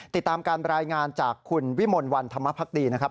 ติดตามการรายงานจากคุณวิมลวันธรรมภักดีนะครับ